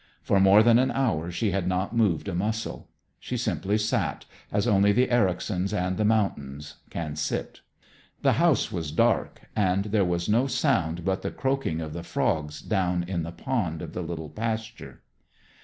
For more than an hour she had not moved a muscle. She simply sat, as only the Ericsons and the mountains can sit. The house was dark, and there was no sound but the croaking of the frogs down in the pond of the little pasture.